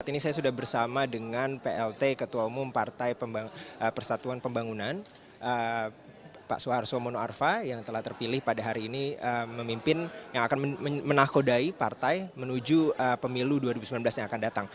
ini saya sudah bersama dengan plt ketua umum partai persatuan pembangunan pak suharto mono arfa yang telah terpilih pada hari ini memimpin yang akan menakodai partai menuju pemilu dua ribu sembilan belas yang akan datang